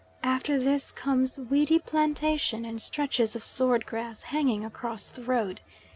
After this comes weedy plantation, and stretches of sword grass hanging across the road.